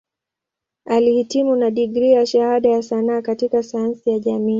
Alihitimu na digrii ya Shahada ya Sanaa katika Sayansi ya Jamii.